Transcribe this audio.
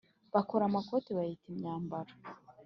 Bakora amakote, bayita imyambaro,